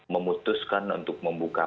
memutuskan untuk membuka